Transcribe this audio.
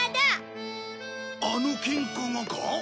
あのケンカがか？